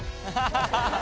ハハハハハ。